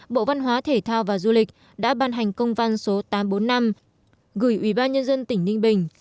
bộ văn hóa thể thao và du lịch đã ban hành công văn số tám trăm bốn mươi năm gửi ủy ban nhân dân tỉnh ninh bình